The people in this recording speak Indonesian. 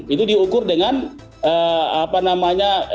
itu diukur dengan apa namanya